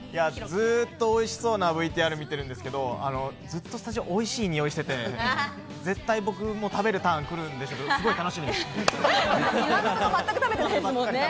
ずっとおいしそうのＶＴＲ見てるんですけど、ずっとスタジオおいしい匂いしてて、絶対僕も食べるターン来るんでしょうけど、楽しみです。